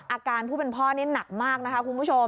อาการผู้เป็นพ่อนี่หนักมากนะคะคุณผู้ชม